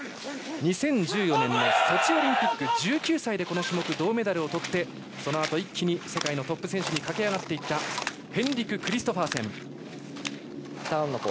２０１４年のソチオリンピック１９歳でこの種目、銅メダルを取ってそのあと一気に世界のトップ選手に駆け上がっていったヘンリク・クリストファーセン。